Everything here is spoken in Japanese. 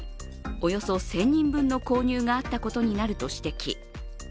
およそ１０００人分の購入があったことになると指摘。